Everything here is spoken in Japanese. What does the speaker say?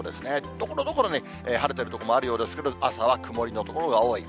ところどころ晴れている所もあるようですけど、朝は曇りの所が多い。